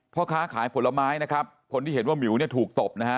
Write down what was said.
พ่อค้าขายผลไม้นะครับคนที่เห็นว่าหมิวเนี่ยถูกตบนะฮะ